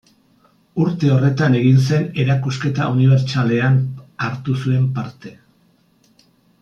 Urte horretan egin zen Erakusketa Unibertsalean hartu zuen parte.